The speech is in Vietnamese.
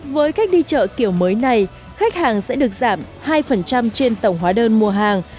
với cách đi chợ kiểu mới này khách hàng sẽ được giảm hai trên tổng hóa đơn mua hàng